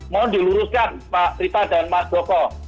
mohon diluruskan pak rita dan mas goko